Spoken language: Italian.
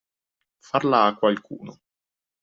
Farla a qualcuno.